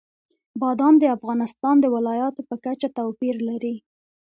بادام د افغانستان د ولایاتو په کچه توپیر لري.